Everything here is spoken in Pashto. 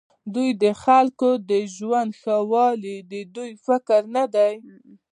دوی د خلکو د ژوند ښهوالی د دوی فکر نه دی.